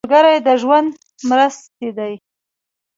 ملګری د ژوند مرستې دی